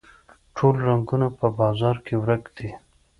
ټوله رنګونه په بازار کې ورک دي